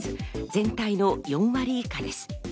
全体の４割以下です。